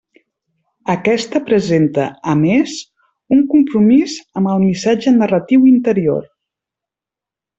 Aquest presenta, a més, un compromís amb el missatge narratiu interior.